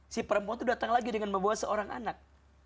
si perempuan itu datang lagi dengan membawa seorang anak